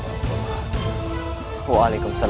aku akan mer diraha